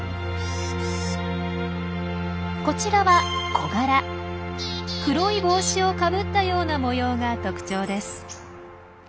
こちらは黒い帽子をかぶったような模様が特徴です。